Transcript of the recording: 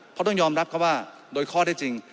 เขาต้องยอมรับเขาว่าโดยข้อที่จริง